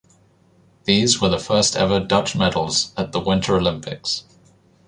These were the first-ever Dutch medals at the Winter Olympics.